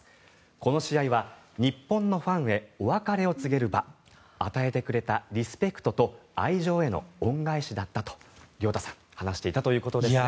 この試合は日本のファンへお別れを告げる場与えてくれたリスペクトと愛情への恩返しだったと亮太さん話していたということですね。